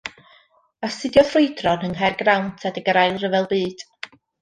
Astudiodd ffrwydron yng Nghaergrawnt adeg yr Ail Ryfel Byd.